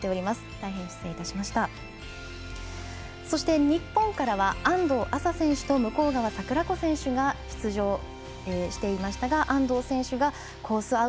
そして、日本からは安藤麻選手と向川桜子選手が出場していましたが安藤選手がコース